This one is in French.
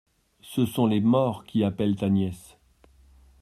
Ce sont les morts qui appellent ta nièce.